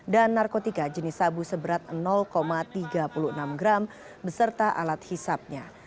dan narkotika jenis sabu seberat tiga puluh enam gram beserta alat hisapnya